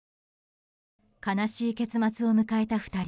悲しい結末を迎えた２人。